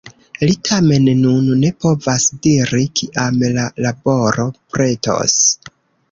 Li tamen nun ne povas diri, kiam la laboro pretos.